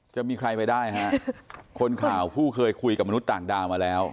จะมีใครไปได้ฮะคนข่าวผู้เคยคุยกับมนุษย์ต่างดาวมาแล้ว